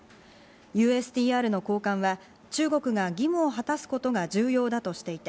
ＵＳＴＲの高官は中国が義務を果たすことが重要だとしていて